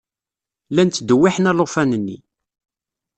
Llan ttdewwiḥen alufan-nni.